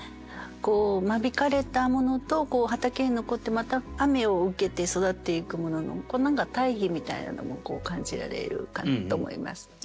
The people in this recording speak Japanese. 間引かれたものと畑に残ってまた雨を受けて育っていくものの何か対比みたいなのも感じられるかと思います。